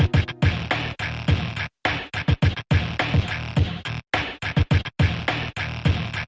saya lanjut kerja